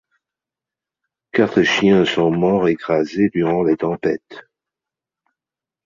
Quatre chiens sont morts écrasés durant les tempêtes.